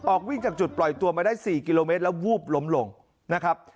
วิ่งจากจุดปล่อยตัวมาได้๔กิโลเมตรแล้ววูบล้มลงนะครับ